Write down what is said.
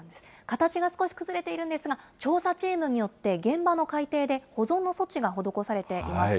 形が少し崩れているんですが、調査チームによって現場の海底で保存の措置が施されています。